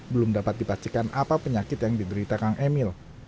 belum dapat dipacikan apa penyakit yang diteritakan kang emil